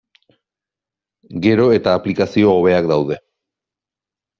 Gero eta aplikazio hobeak daude.